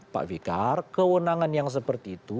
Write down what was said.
pak fikar kewenangan yang seperti itu